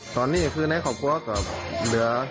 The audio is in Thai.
ตอนนี้คือในขอบคุณกับเหลือ